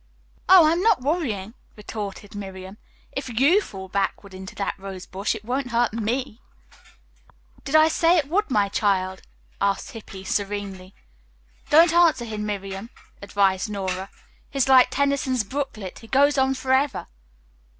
"Oh, I am not worrying," retorted Miriam. "If you fall backward into that rose bush it won't hurt me." "Did I say it would, my child?" asked Hippy serenely. "Don't answer him, Miriam," advised Nora. "He is like Tennyson's 'Brooklet,' he goes on forever."